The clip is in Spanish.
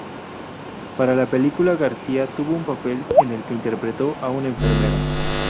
Para la película García tuvo un papel en el que interpretó a un enfermero.